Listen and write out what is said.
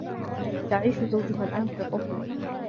يعيش زوجها الآن في طوكيو.